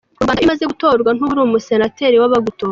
U Rwanda iyo umaze gutorwa ntuba uri Umusenateri w’abagutoye.